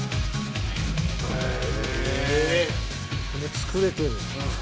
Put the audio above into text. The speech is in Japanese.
作れてる。